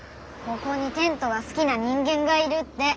ここにテントが好きな人間がいるって。